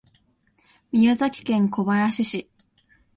宮崎県小林市